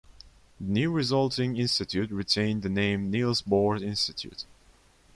The new resulting institute retained the name Niels Bohr Institute.